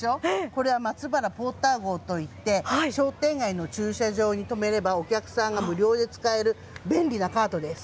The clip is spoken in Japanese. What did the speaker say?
これは松原ポーター号といって、商店街の駐車場に止めれば、お客さんが無料で使える便利なカートです。